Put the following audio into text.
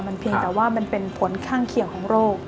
เพียงแต่ว่ามันเป็นผลข้างเคียงของโรค